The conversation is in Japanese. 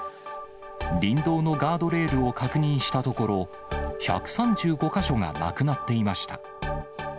林道のガードレールを確認したところ、１３５か所がなくなっていました。